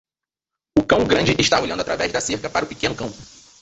O cão grande está olhando através da cerca para o pequeno cão.